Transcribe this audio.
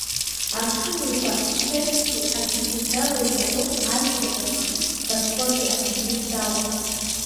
Амшын Еиқәа Қьерчтәи аӡыбжьындала еимадоуп Азиатә амшын, Босфортәи аӡыбжьындала…